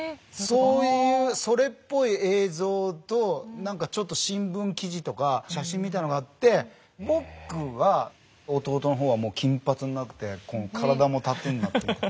そういうそれっぽい映像と何かちょっと新聞記事とか写真みたいのがあって僕は弟の方はもう金髪になって体もタトゥーになってて。